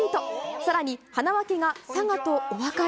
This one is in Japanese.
さらに、はなわ家が佐賀とお別れ。